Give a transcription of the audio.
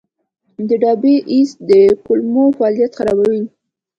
د ډایبی ایس د کولمو فعالیت خرابوي.